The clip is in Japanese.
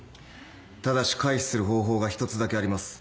・ただし回避する方法が一つだけあります。